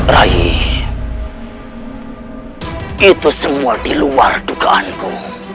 rayi itu semua di luar dukaanku